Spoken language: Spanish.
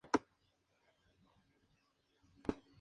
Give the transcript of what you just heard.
Tiene el título de Licenciado en Sistemas Navales.